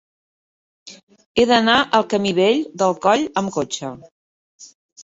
He d'anar al camí Vell del Coll amb cotxe.